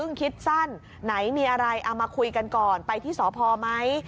เอามาคุยกันก่อนไปที่สอพอร์ไหม